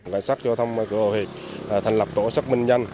cảnh sát giao thông cửa ô hiệp thành lập tổ xác minh nhanh